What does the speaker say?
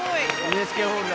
ＮＨＫホールだ。